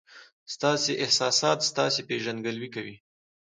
ستاسي احساسات ستاسي پېژندګلوي کوي.